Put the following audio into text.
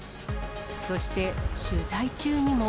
そして取材中にも。